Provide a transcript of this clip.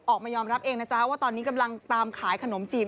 ออกมายอมรับเองนะจ๊ะว่าตอนนี้กำลังตามขายขนมจีบ